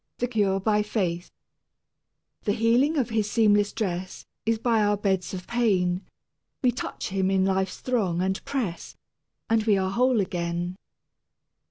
XI THE CURE BY FAITH The healing of his seamless dress Is by our beds of pain We touch Him in life's throng and press, And we are whole again.